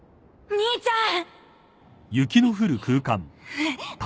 兄ちゃん！